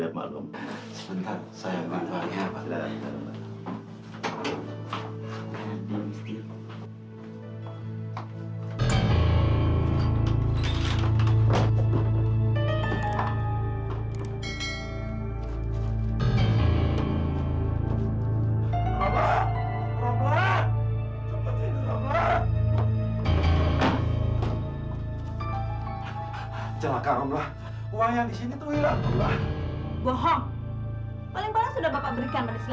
paling paling sudah bapak berikan pada si lastri